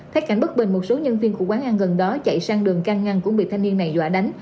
thách cảnh bất bình một số nhân viên của quán ăn gần đó chạy sang đường ca ngăn cũng bị thanh niên này dọa đánh